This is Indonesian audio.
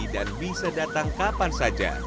dan bisa datang kapan saja